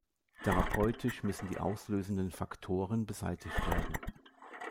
Therapeutisch müssen die auslösenden Faktoren beseitigt werden.